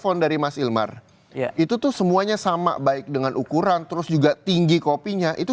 oleh kg yakner itu tuh semuanya sama baik dengan ukuran terus juga tinggi kopinya itu